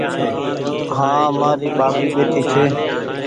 هآنٚ مآري ٻآٻي ٻيٺي ڇي